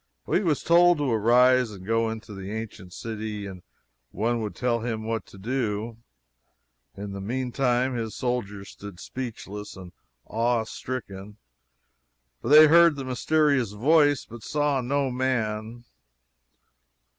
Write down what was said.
He was told to arise and go into the ancient city and one would tell him what to do. In the meantime his soldiers stood speechless and awe stricken, for they heard the mysterious voice but saw no man.